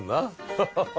ハハハ。